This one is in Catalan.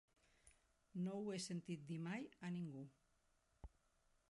No ho he sentit dir mai a ningú.